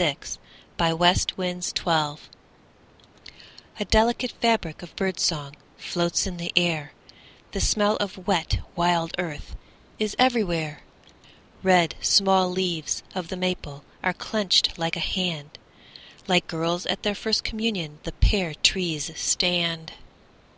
VI The Dark Cup May Day A delicate fabric of bird song Floats in the air, The smell of wet wild earth Is everywhere. Red small leaves of the maple Are clenched like a hand, Like girls at their first communion The pear trees stand.